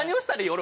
俺。